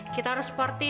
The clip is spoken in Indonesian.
kita harus partai